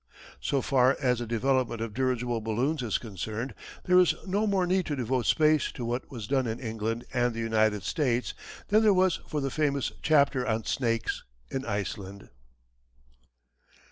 So far as the development of dirigible balloons is concerned there is no more need to devote space to what was done in England and the United States than there was for the famous chapter on Snakes in Iceland.